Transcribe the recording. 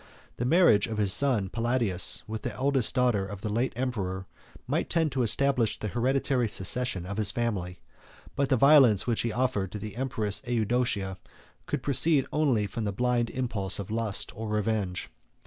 The marriage of his son Paladius with the eldest daughter of the late emperor, might tend to establish the hereditary succession of his family; but the violence which he offered to the empress Eudoxia, could proceed only from the blind impulse of lust or revenge.